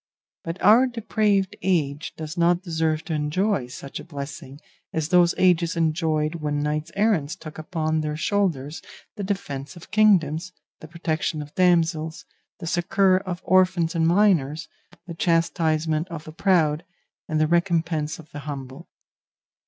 But our depraved age does not deserve to enjoy such a blessing as those ages enjoyed when knights errant took upon their shoulders the defence of kingdoms, the protection of damsels, the succour of orphans and minors, the chastisement of the proud, and the recompense of the humble.